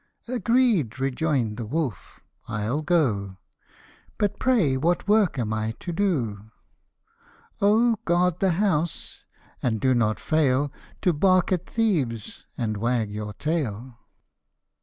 " Agreed," rejoined the wolf, " I'll go : But pray what work am I to do ?"" O, guard the house, and do not fail To bark at thieves and wag your tail."